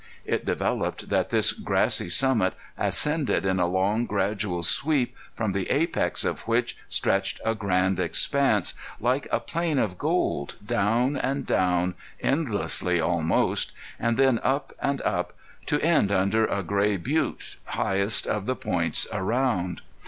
It developed that this grassy summit ascended in a long gradual sweep, from the apex of which stretched a grand expanse, like a plain of gold, down and down, endlessly almost, and then up and up to end under a gray butte, highest of the points around.